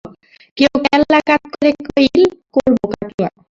কেউ কেল্লা কাৎ করে কইল, করব কাকীমা।